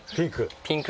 ピンク。